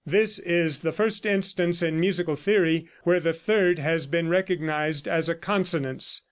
This is the first instance in musical theory where the third has been recognized as a consonance.